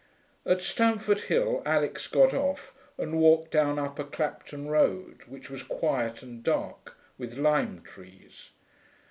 At Stamford Hill Alix got off, and walked down Upper Clapton Road, which was quiet and dark, with lime trees.